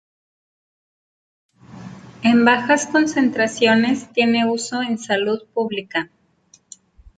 En bajas concentraciones, tiene uso en salud pública.